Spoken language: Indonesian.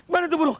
mana tuh burung